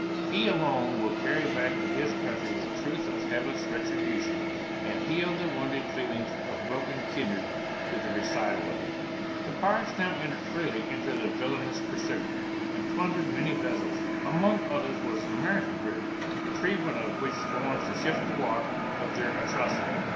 He alone will carry back to his country the truth of Heaven's retribution, and heal the wounded feelings of broken kindred with the recital of it. The pirates now entered freely into their villainous pursuit, and plundered many vessels; amongst others was an American brig, the treatment of which forms the chef d'oeuvre of their atrocity.